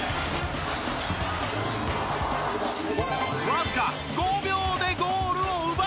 わずか５秒でゴールを奪います。